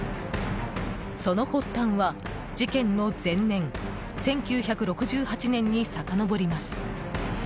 その発端は、事件の前年１９６８年にさかのぼります。